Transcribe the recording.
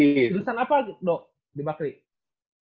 jurusan apa dok di bakri